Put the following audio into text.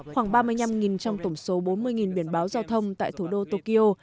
khoảng ba mươi năm trong tổng số bốn mươi biển báo giao thông tại thủ đô tokyo